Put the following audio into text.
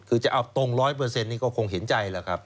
คือจะเอาตรง๑๐๐นี่ก็คงเห็นใจแล้วครับ